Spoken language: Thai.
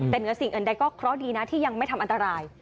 แต่เหนือสิ่งอื่นใดก็เคราะห์ดีนะที่ยังไม่ทำอันตราย